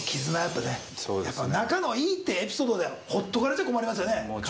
仲のいいってエピソードではほっとかれちゃ困りますよね。